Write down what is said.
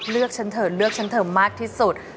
เลือกฉันเธอเลือกฉันเธอมากที่สุด